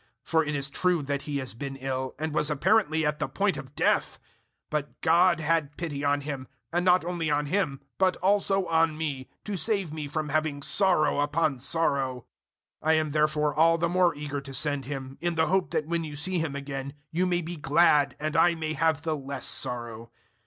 002:027 For it is true that he has been ill, and was apparently at the point of death; but God had pity on him, and not only on him, but also on me, to save me from having sorrow upon sorrow. 002:028 I am therefore all the more eager to send him, in the hope that when you see him again you may be glad and I may have the less sorrow.